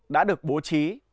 đã được bố trí